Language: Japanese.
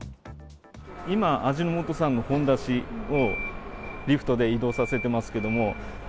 今、味の素さんのほんだしをリフトで移動させてますけど。